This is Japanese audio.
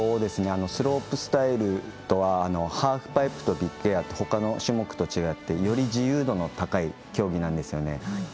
スロープスタイルとはハーフパイプやビッグエアなどほかの種目と違ってより自由度の高い競技なんですよね。